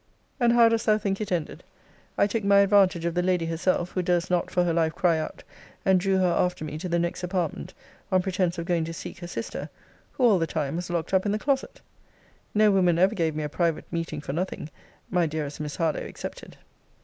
'And how dost thou think it ended? I took my advantage of the lady herself, who durst not for her life cry out; and drew her after me to the next apartment, on pretence of going to seek her sister, who all the time was locked up in the closet.' No woman ever gave me a private meeting for nothing; my dearest Miss Harlowe excepted.